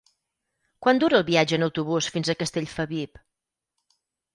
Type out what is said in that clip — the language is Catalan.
Quant dura el viatge en autobús fins a Castellfabib?